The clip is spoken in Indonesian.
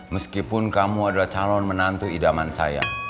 meskipun kamu adalah calon menantu idaman saya